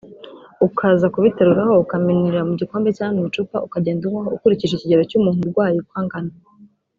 ukaza kubiteruraho ukamininira mu gikombe cyangwa mu icupa ukagenda unywaho ukurikije ikigero cy’umuntu urwaye uko angana